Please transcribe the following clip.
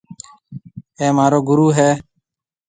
اَي مهارو گُرو هيَ۔